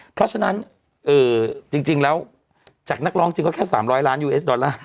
เพราะฉะนั้นจริงแล้วจากนักร้องจริงก็แค่๓๐๐ล้านยูเอสดอลลาร์